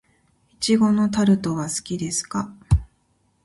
苺のタルトは好きですか。